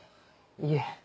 いえ。